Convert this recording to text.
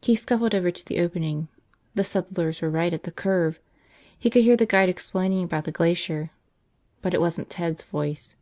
He scuffled over to the opening. The settlers were right at the curve. He could hear the guide explaining about the glacier, but it wasn't Ted's voice.